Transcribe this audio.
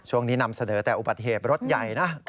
นำเสนอแต่อุบัติเหตุรถใหญ่นะ